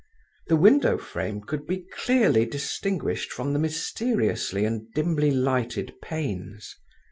The window frame could be clearly distinguished from the mysteriously and dimly lighted panes.